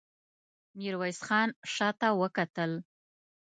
ميرويس خان شاته وکتل.